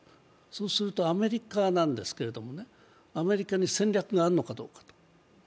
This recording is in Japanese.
そうすると、アメリカなんですけどアメリカに戦略があるのかと。